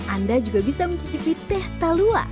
anda juga bisa mencicipi teh talua